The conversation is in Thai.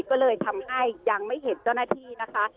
ก็เลยทำให้ยังไม่เห็นเจ้าหน้าที่นะคะ